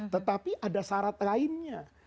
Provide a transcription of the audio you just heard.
tetapi ada syarat lainnya